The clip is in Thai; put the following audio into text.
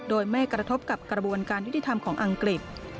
โดยไม่กระทบกับกระบวนการยุติธรรมของอังกฤษ